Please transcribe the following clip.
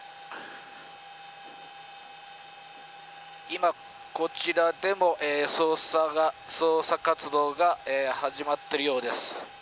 今、こちらでも捜査活動が始まっているようです。